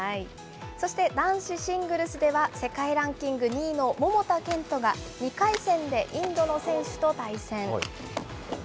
そして男子シングルスでは、世界ランキング２位の桃田賢斗が、２回戦でインドの選手と対戦。